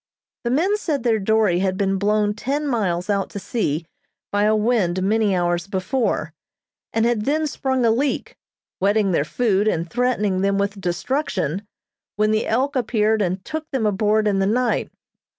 The men said their dory had been blown ten miles out to sea by a wind many hours before, and had then sprung a leak, wetting their food, and threatening them with destruction, when the "Elk" appeared and took them aboard in the night.